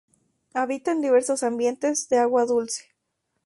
Habita en diversos ambientes de agua dulce.